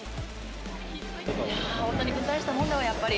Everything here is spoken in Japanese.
いや、大谷君大したもんだわ、やっぱり。